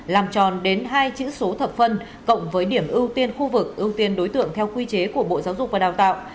làm tròn đến hai chữ số thập phân cộng với điểm ưu tiên khu vực ưu tiên đối tượng theo quy chế của bộ giáo dục và đào tạo